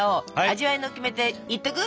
味わいのキメテいっとく？